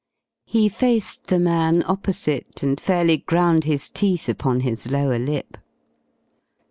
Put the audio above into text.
He faced the man opposite, and fairly ground his teeth upon his lower lip.